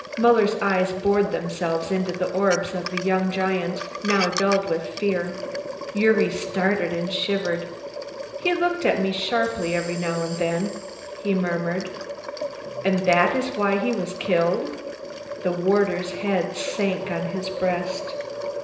Muller's eyes bored themselves into the orbs of the young giant, now dulled with fear. Gyuri started and shivered. "He looked at me sharply every now and then," he murmured. "And that was why he was killed?" The warder's head sank on his breast.